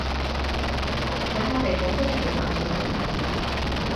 搶我哋廣東人嘅飯碗